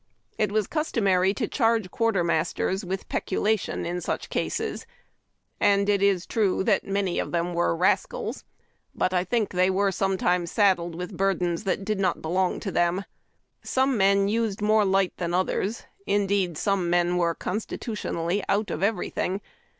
It was customary to charge quartermasters with peculation in such cases, and it is true that many of them were ras cals ; but I think they Ml*''. ARMY CANDLESTICKS. were sometimes saddled with burdens that did not belong to them. Some men used more light than others. Indeed, some men were constitutionally out of everything.